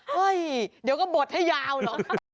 เฮ้ยเดี๋ยวก็บดให้ยาวเหรอ